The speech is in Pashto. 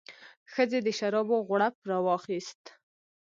ښځې د شرابو غوړپ راواخیست.